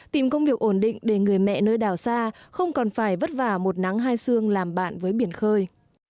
tìm công việc ổn định để người mẹ nơi đảo xa không còn phải vất vả một nắng hai xương làm bạn với biển khơi